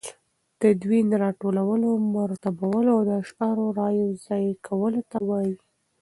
تدوین راټولو، مرتبولو او د اشعارو رايو ځاى کولو ته وايي.